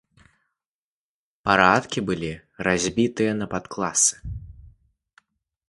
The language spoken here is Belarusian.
Парадкі былі разбітыя на падкласы.